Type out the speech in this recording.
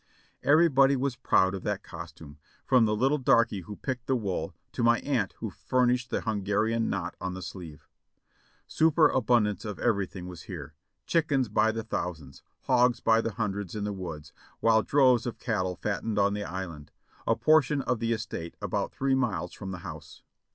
Everybody was proud of that costume, from the little darky who picked the wool, to my aunt who furnished the Hungarian knot on the sleeve. Superabundance of everything was here; chickens by the thou sands, hogs by the hundreds in the woods, while droves of cattle fattened on the island, a portion of the estate about three miles from the house.